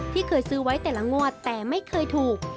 เคยซื้อไว้แต่ละงวดแต่ไม่เคยถูก